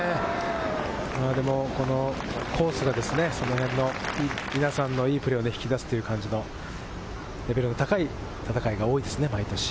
でも、このコースが皆さんのいいプレーを引き出しているという感じのレベルの高い戦いが多いですね、毎年。